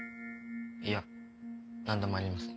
いやなんでもありません。